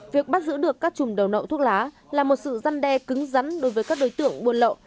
việc bắt giữ được các chùm đầu nậu thuốc lá là một sự răn đe cứng rắn đối với các đối tượng buôn lậu